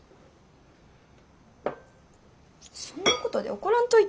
そんなことで怒らんといてや。